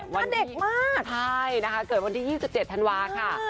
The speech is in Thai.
วันเด็กมากใช่นะคะเกิดวันที่๒๗ธันวาค่ะ